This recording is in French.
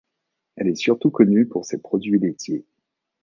Elle est surtout connue pour ses produits laitiers.